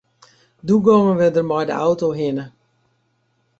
Doe gongen we der mei de auto hinne.